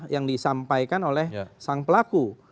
yang disampaikan oleh sang pelaku